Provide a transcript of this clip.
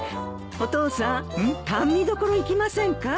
お父さんかんみどころ行きませんか？